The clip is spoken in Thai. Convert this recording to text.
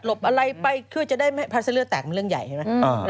หลบอะไรไปเพื่อจะได้ไม่พลัดเส้นเลือดแตกมันเรื่องใหญ่ใช่ไหม